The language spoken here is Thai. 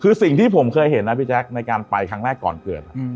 คือสิ่งที่ผมเคยเห็นนะพี่แจ๊คในการไปครั้งแรกก่อนเกิด